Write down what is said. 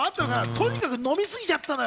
とにかく飲み過ぎちゃったのよ。